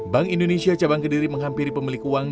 bank indonesia cabang kediri menghampiri pemilik uang